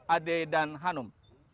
ade dan hanum